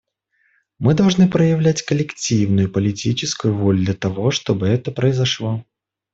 Мы должны проявить коллективную политическую волю для того, чтобы это произошло.